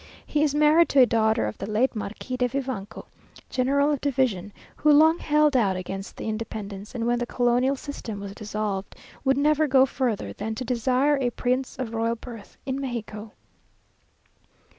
He is married to a daughter of the late Marquis de Vivanco, general of division, who long held out against the independence, and when the colonial system was dissolved, would never go further than to desire a prince of royal birth in Mexico.